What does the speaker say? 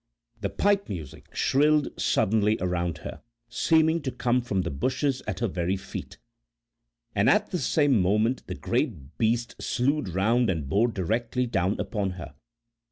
The pipe music shrilled suddenly around her, seeming to come from the bushes at her very feet, and at the same moment the great beast slewed round and bore directly down upon her.